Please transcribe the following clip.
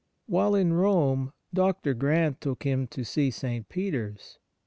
While in Rome, Dr. Grant took him to see St. Peter's.